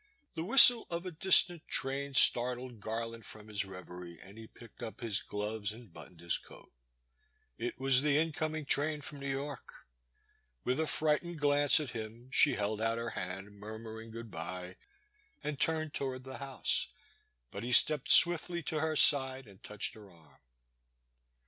The whistle of a dis tant train startled Garland from his reverie and he picked up his gloves and buttoned his coat. It was the incoming train from New York. With a frightened glance at him she held out her hand, murmuring good bye, and turned toward the house, but he stepped swiftly to her side and touched her arm.